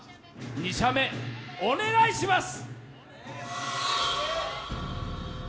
２射目お願いします！